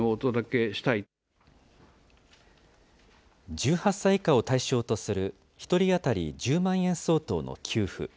１８歳以下を対象とする１人当たり１０万円相当の給付。